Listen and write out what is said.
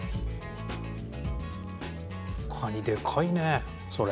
かにでかいねそれ。